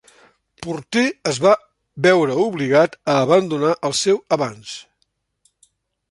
Porter es va veure obligat a abandonar el seu avanç.